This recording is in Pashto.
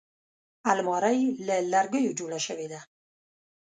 الماري له لرګیو جوړه شوې ده